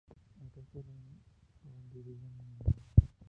El resto lo dividió en unidades.